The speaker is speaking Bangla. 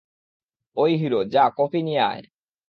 ওই হিরো, যা কফি নিয়া আয়।